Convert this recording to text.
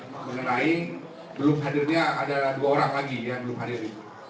mengenai belum hadirnya ada dua orang lagi yang belum hadir